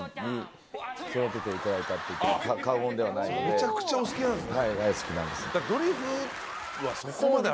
めちゃくちゃお好きなんですね。